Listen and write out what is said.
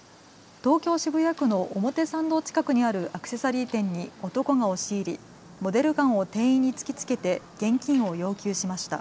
東京渋谷区の表参道近くにあるアクセサリー店に男が押し入りモデルガンを店員に突きつけて現金を要求しました。